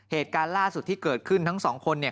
เหตุการณ์ล่าสุดที่เกิดขึ้นทั้งสองคนเนี่ย